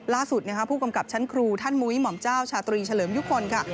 ล่าสุดผู้กำกับชั้นครูท่านมุ้ยหม่อมเจ้าชาตรีเฉลิมยุคลค่ะ